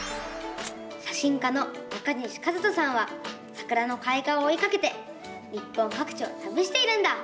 写真家の中西一登さんはさくらのかい花をおいかけて日本かく地をたびしているんだ！